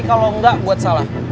kalau nggak buat salah